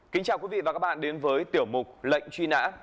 kính chào quý vị và các bạn đến với tiểu mục lệnh truy nã